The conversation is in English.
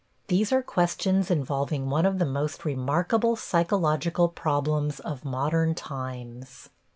These are questions involving one of the most remarkable psychological problems of modern times.